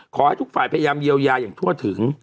ขอให้ทุกฝ่ายพยายามเยียวยาอย่างทั่วถึง